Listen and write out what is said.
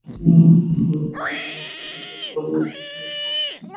যদিও দীর্ঘ আইনি লড়াইয়ে আদালত চাকরির সময় গণনার পক্ষেই রায় দিয়েছিলেন।